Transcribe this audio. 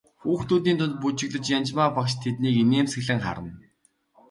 Хүүхдүүдийн дунд бүжиглэх Янжмаа багш нь тэднийг инээмсэглэн харна.